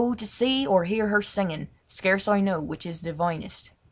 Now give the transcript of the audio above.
to see or hear her singing! Scarce I know which is the divinest."